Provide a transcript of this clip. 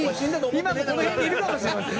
今もこの辺にいるかもしれません。